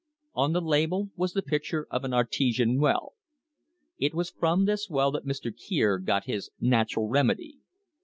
On the label was the picture of an artesian well. It was from this well that Mr. Kier got his "Natural Remedy."